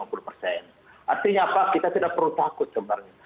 artinya apa kita tidak perlu takut sebenarnya